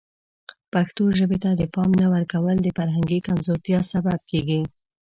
پښتو ژبې ته د پام نه ورکول د فرهنګي کمزورتیا سبب کیږي.